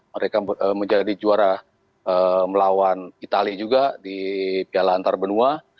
mereka menjadi juara melawan itali juga di piala antarbenua